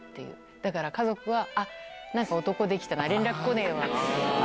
だから家族は、あっ、なんか男できたな、連絡こねぇわみたいな。